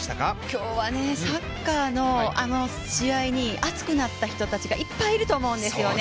今日はサッカーの試合に熱くなった人たちがいっぱいいると思うんですよね。